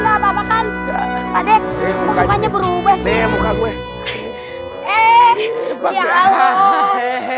ada ngapa ngapakan adek bekanya berubah semoga gue eh ya allah